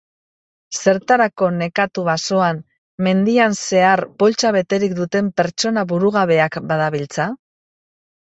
Zertarako nekatu basoan, mendian zehar poltsa beterik duten pertsona burugabeak badabiltza?